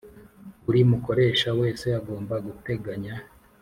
Buri mukoresha wese agomba guteganya